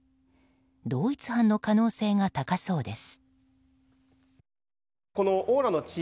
同一犯の可能性が高そうです。